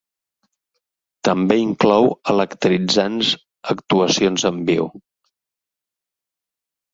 També inclou electritzants actuacions en viu.